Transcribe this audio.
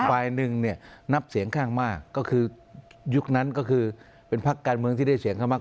ฝ่ายหนึ่งเนี่ยนับเสียงข้างมากก็คือยุคนั้นก็คือเป็นพักการเมืองที่ได้เสียงข้างมาก